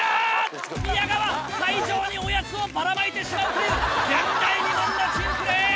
宮川会場におやつをばらまいてしまうという前代未聞の珍プレー！